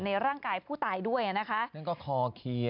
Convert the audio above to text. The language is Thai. ในร่างกายผู้ตายด้วยนั่นก็คอเคียร์